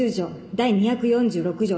第２４６条